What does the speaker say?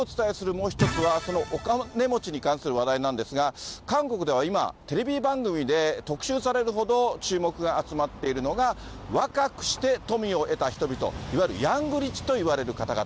もう１つは、そのお金持ちに関する話題なんですが、韓国では今、テレビ番組で特集されるほど注目が集まっているのが、若くして富を得た人々、いわゆるヤングリッチといわれる方々。